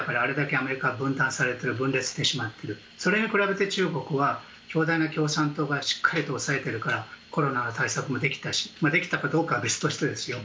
民主主義だからアメリカはあれだけ分断されてしまっているそれに比べて中国は強大な共産党がまとめているからコロナの対策もできたしできたかどうかは別としてですよ。